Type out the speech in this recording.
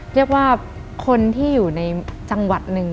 เรียกว่าคนที่อยู่ในจังหวัดหนึ่ง